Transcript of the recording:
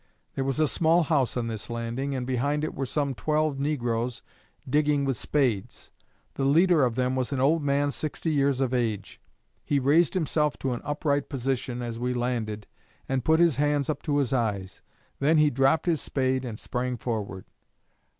There was a small house on this landing, and behind it were some twelve negroes digging with spades. The leader of them was an old man sixty years of age. He raised himself to an upright position as we landed, and put his hands up to his eyes. Then he dropped his spade and sprang forward.